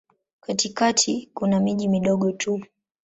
Katikati kuna miji midogo tu.